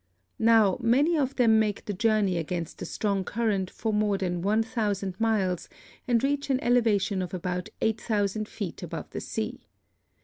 Now many of them make the journey against a strong current for more than one thousand miles, and reach an elevation of about eight thousand feet above the sea.